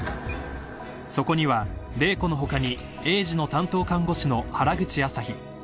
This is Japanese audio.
［そこには麗子の他に栄治の担当看護師の原口朝陽］